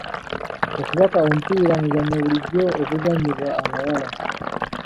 Okubaka omupiira muzannyo bulijjo oguzannyibwa abawala.